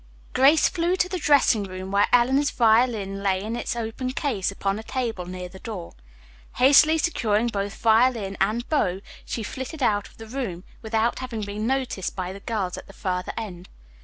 Grace flew to the dressing room, where Eleanor's violin lay in its open case upon a table near the door. Hastily securing both violin and bow, she flitted out of the room without having been noticed by the girls at the further end.